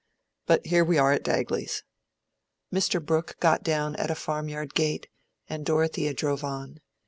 But here we are at Dagley's." Mr. Brooke got down at a farmyard gate, and Dorothea drove on.